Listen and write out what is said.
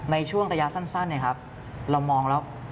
ในช่วงระยะสั้นเรามองแล้ว